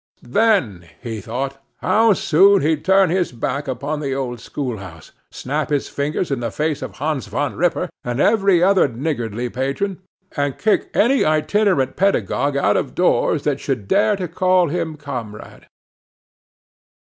Then, he thought, how soon he'd turn his back upon the old schoolhouse; snap his fingers in the face of Hans Van Ripper, and every other niggardly patron, and kick any itinerant pedagogue out of doors that should dare to call him comrade!